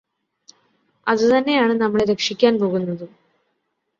അതുതന്നെയാണ് നമ്മളെ രക്ഷിക്കാന് പോകുന്നതും